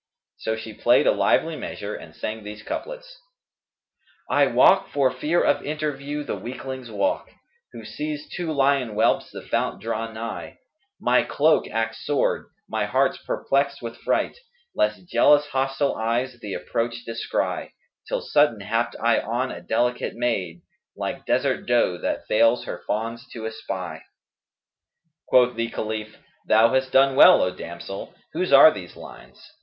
So she played a lively measure and sang these couplets, "I walk, for fear of interview, the weakling's walk * Who sees two lion whelps the fount draw nigh: My cloak acts sword, my heart's perplex'd with fright, * Lest jealous hostile eyes th' approach descry: Till sudden hapt I on a delicate maid * Like desert doe that fails her fawns to espy." Quoth the Caliph, "Thou hast done well, O damsel! whose are these lines?"